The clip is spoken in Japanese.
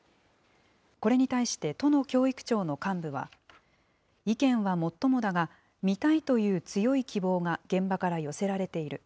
これに対して、都の教育庁の幹部は、意見はもっともだが、見たいという強い希望が現場から寄せられている。